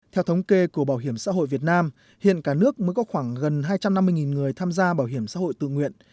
theo thống kê của bảo hiểm xã hội việt nam hiện cả nước mới có khoảng gần hai trăm năm mươi người tham gia bảo hiểm xã hội tự nguyện